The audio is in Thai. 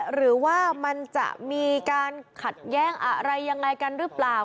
หรือว่ามันจะมีการขัดแย้งอะไรยังไงกันหรือเปล่า